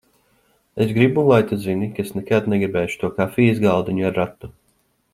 Es gribu, lai tu zini, ka es nekad negribēšu to kafijas galdiņu ar ratu.